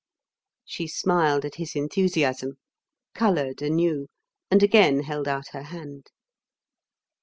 She smiled at his enthusiasm, coloured anew, and again held out her hand.